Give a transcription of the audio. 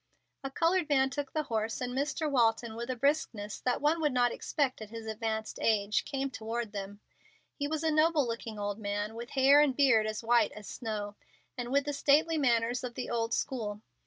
A colored man took the horse, and Mr. Walton, with a briskness that one would not expect at his advanced age, came toward them. He was a noble looking old man, with hair and beard as white as snow, and with the stately manners of the old school.